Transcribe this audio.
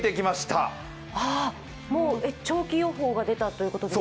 もう長期予報が出たということですか？